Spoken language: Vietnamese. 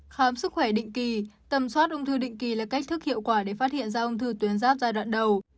khám sức khỏe định kỳ tầm soát ung thư định kỳ là cách thức hiệu quả để phát hiện ra ung thư tuyến giáp giai đoạn đầu